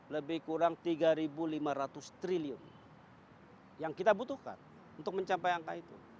lebih kurang rp tiga lima ratus triliun yang kita butuhkan untuk mencapai angka itu